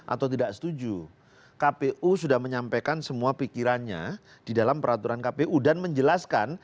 atau tidak setuju kpu sudah menyampaikan semua pikirannya di dalam peraturan kpu dan menjelaskan